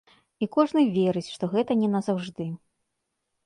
І кожны верыць, што гэта не назаўжды.